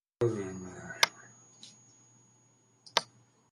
Aspyr has also produced and distributed several albums and documentaries.